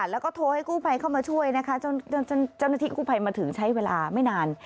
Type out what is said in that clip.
แล้วก็โทรให้กู้ภัยเข้ามาช่วยนะคะจนเจ้าหน้าที่กู้ภัยมาถึงใช้เวลาไม่นาน